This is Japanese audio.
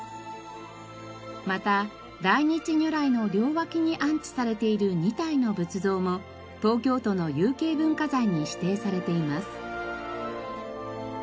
また大日如来の両脇に安置されている２体の仏像も東京都の有形文化財に指定されています。